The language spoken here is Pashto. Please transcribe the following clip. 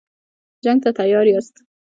جنګ ته تیار یاست.